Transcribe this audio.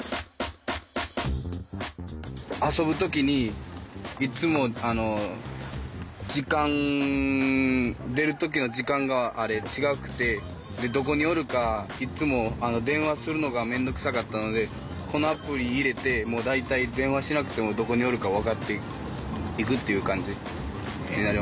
遊ぶ時にいつも時間出る時の時間が違うくてどこにおるかいつも電話するのが面倒くさかったのでこのアプリ入れてもう大体電話しなくてもどこにおるか分かっていくっていう感じになりました。